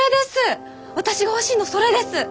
私が欲しいのそれです！